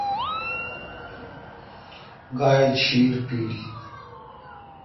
گائی ڄیر پل۔